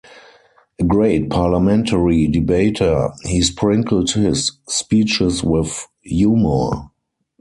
A great parliamentary debater, he sprinkled his speeches with humour.